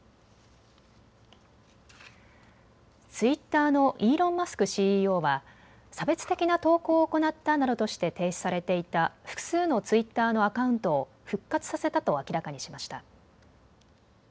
ツイッターのイーロン・マスクＣＥＯは差別的な投稿を行ったなどとして停止されていた複数のツイッターのアカウントを復活させたと明らかにしました。